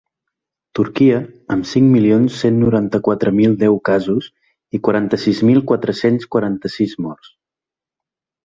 Turquia, amb cinc milions cent noranta-quatre mil deu casos i quaranta-sis mil quatre-cents quaranta-sis morts.